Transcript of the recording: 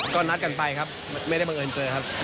ก็นัดกันไปครับไม่ได้บังเอิญเจอครับ